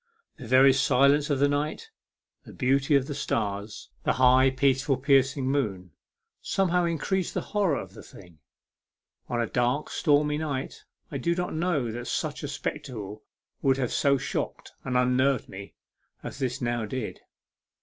The very silence of the night, the beauty ^of the stars, 54 A MEMORABLE SWIM. the high, peaceful, piercing moon somehow increased the horror of the thing. On a dark, stormy night, I do not know that such a spectacle would have so shocked and unnerved me as this now did.